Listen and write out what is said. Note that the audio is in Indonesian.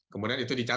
kemudian itu ditanyakan